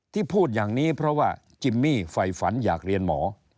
พูดอย่างนี้เพราะว่าจิมมี่ไฟฝันอยากเรียนหมอ